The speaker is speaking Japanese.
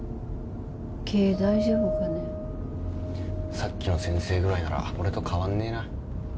さっきの先生ぐらいなら俺と変わんねえな。